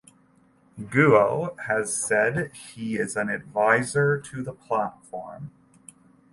Guo has said he is an adviser to the platform.